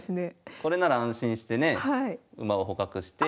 これなら安心してね馬を捕獲して。